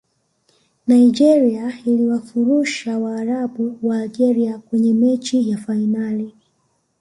nigeria iliwafurusha waarabu wa algeria kwenye mechi ya fainali